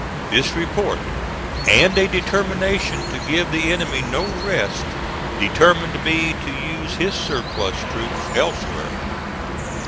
This report and a determination to give the enemy no rest determined me to use his surplus troops elsewhere.